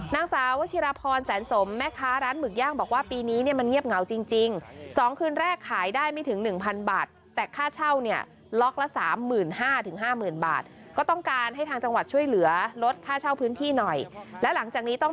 นางซาว่าชิราพรแสนสมแม่ค้าร้านหมึกย่างบอกว่าปีนี้มันเงียบเหงาจริง